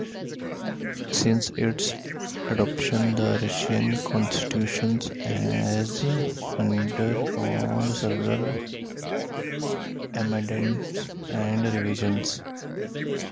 Since its adoption, the Russian Constitution has undergone several amendments and revisions.